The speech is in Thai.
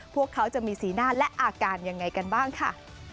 พวกเขาจะมีสีหน้าและอาการยังไงกันบ้างค่ะ